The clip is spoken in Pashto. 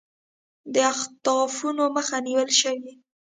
د اختطافونو مخه نیول شوې